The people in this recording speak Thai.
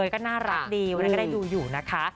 ก็น่ารักดีวันนั้นก็ได้ดูอยู่นะคะ